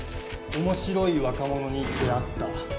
「面白い若者に出会った」